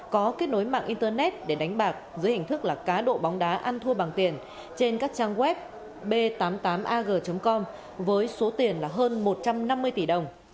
có kết nối mạng internet để đánh bạc dưới hình thức là cá độ bóng đá ăn thua bằng tiền trên các trang web b tám mươi tám ag com với số tiền là hơn một trăm năm mươi tỷ đồng